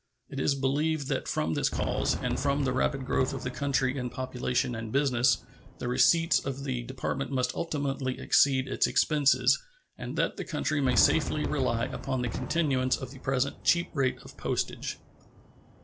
It is believed that from this cause and from the rapid growth of the country in population and business the receipts of the Department must ultimately exceed its expenses, and that the country may safely rely upon the continuance of the present cheap rate of postage.